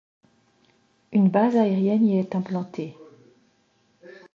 Une base aérienne y est implantée.